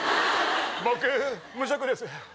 僕無職です。